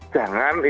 jangan itu terjadi